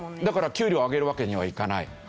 だから給料上げるわけにはいかない。